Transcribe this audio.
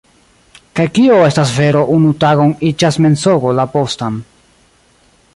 Kaj kio estas vero unu tagon iĝas mensogo la postan.